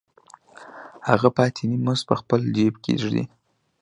هغه پاتې نیم مزد په خپل جېب کې ږدي